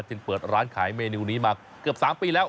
เปิดร้านขายเมนูนี้มาเกือบ๓ปีแล้ว